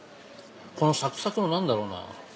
このサクサクの何だろうな？